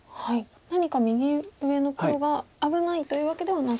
何か右上の黒が危ないというわけではなく。